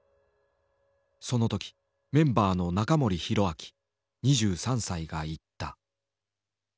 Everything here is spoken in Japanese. その時メンバーの仲盛広明２３歳が言った。